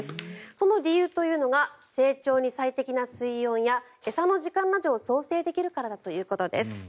その理由というのが成長に最適な水温や餌の時間などを調整できるからだということです。